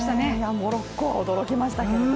モロッコは驚きましたけどね。